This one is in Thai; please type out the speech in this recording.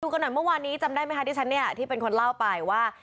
กันหน่อยเมื่อวานนี้จำได้ไหมคะที่ฉันเนี่ยที่เป็นคนเล่าไปว่า